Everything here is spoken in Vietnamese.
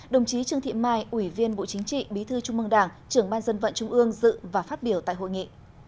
đồng chí trương thị mai ủy viên bộ chính trị bí thư trung mương đảng trưởng ban dân vận trung ương dự và phát biểu tại hội nghị